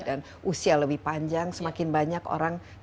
dan usia lebih panjang semakin banyak orang juga terlalu sedih